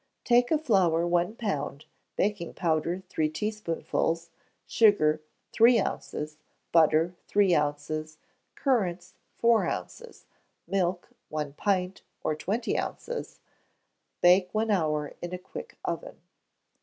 Take of flour one pound; baking powder, three teaspoonfuls; sugar, three ounces; butter, three ounces; currants, four ounces; milk, one pint, or twenty ounces: bake one hour in a quick oven.